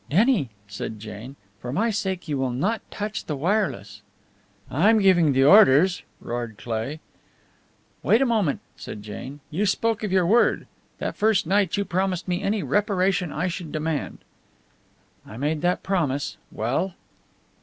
"Denny," said Jane, "for my sake you will not touch the wireless." "I'm giving the orders!" roared Cleigh. "Wait a moment!" said Jane. "You spoke of your word. That first night you promised me any reparation I should demand." "I made that promise. Well?"